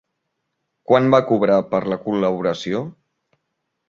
Quant va cobrar per la col·laboració?